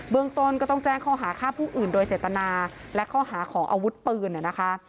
เมืองต้นก็ต้องแจ้งข้อหาฆ่าผู้อื่นโดยเจตนาและข้อหาของอาวุธปืนนะคะ